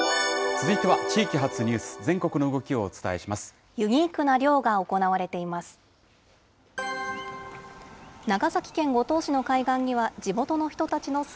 続いては地域発ニュース、全国の動きをお伝えします。